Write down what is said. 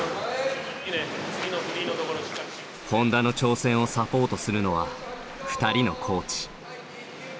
本多の挑戦をサポートするのは２人のコーチ。